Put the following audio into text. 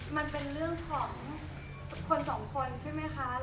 มันเป็นเรื่องของคนสองคนใช่ไหมคะ